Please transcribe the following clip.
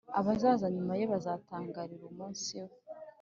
abazaza nyuma ye bazatangarira umunsi we,